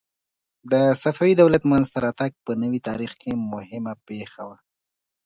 د صفوي دولت منځته راتګ په نوي تاریخ کې مهمه پېښه وه.